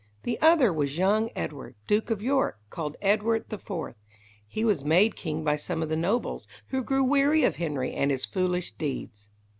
The other was young Edward, Duke of York, called Edward IV. He was made king by some of the nobles, who grew weary of Henry and his foolish deeds.